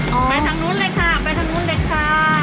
ไปทางนู้นเลยค่ะไปทางนู้นเลยค่ะ